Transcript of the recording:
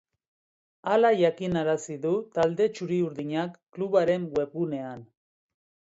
Hala jakinarazi du talde txuri-urinak klubaren webgunean.